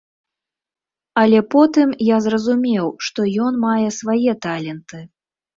Але потым я зразумеў, што ён мае свае таленты.